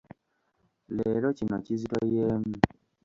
Leero kino kizitoyeemu.